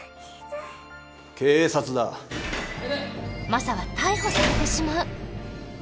マサは逮捕されてしまう！？